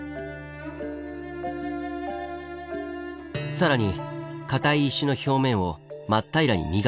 更に硬い石の表面を真っ平らに磨き上げています。